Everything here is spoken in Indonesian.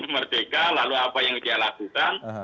merdeka lalu apa yang dia lakukan